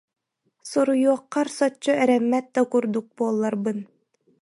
суруйуоххар соччо эрэммэт да курдук буолларбын